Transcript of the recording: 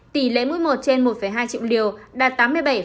tỷ lệ mũi một trên một hai triệu liều đạt tám mươi bảy tám